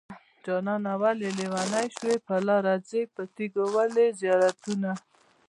جانانه ولې لېونی شوې په لاره ځې په تيګو ولې زيارتونه